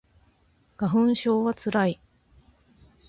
花粉症はつらい